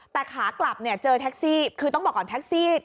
แต่ขากลับเนี่ยเจอแท็กซี่คือต้องบอกก่อนแท็กซี่